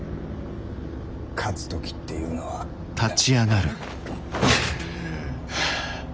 「勝つ時」っていうのはうっハァ